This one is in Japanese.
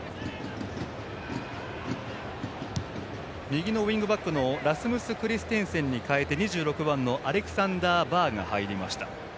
右ウイングバックのラスムス・クリステンセンに代えて２６番のアレクサンダー・バーが入りました。